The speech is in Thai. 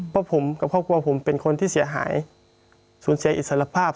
เพราะผมกับครอบครัวผมเป็นคนที่เสียหายสูญเสียอิสรภาพ